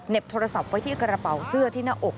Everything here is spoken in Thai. โทรศัพท์ไว้ที่กระเป๋าเสื้อที่หน้าอก